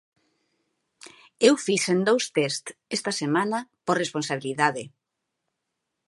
Eu fixen dous tests esta semana por responsabilidade.